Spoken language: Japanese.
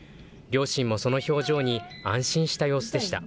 両親もその表情に、安心した様子でした。